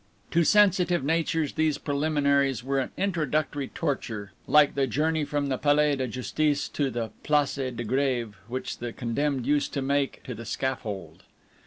To sensitive natures these preliminaries were an introductory torture, like the journey from the Palais de Justice to the Place de Greve which the condemned used to make to the scaffold.